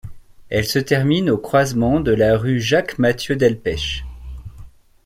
Elle se termine au croisement de la rue Jacques-Matthieu-Delpech.